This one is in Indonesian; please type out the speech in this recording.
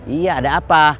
iya ada apa